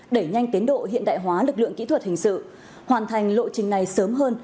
đẩy nhanh tiến độ hiện đại hóa lực lượng kỹ thuật hình sự hoàn thành lộ trình này sớm hơn